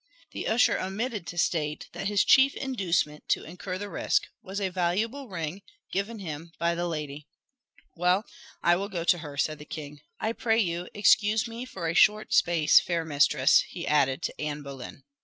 The usher omitted to state that his chief inducement to incur the risk was a valuable ring, given him by the lady. "Well, I will go to her," said the king. "I pray you, excuse me for a short space, fair mistress," he added to Anne Boleyn.